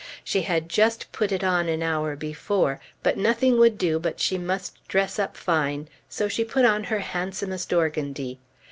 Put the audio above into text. She had just put it on an hour before, but nothing would do but she must dress up fine; so she put on her handsomest organdie.